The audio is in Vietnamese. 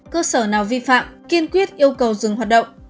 cơ sở nào vi phạm kiên quyết yêu cầu dừng hoạt động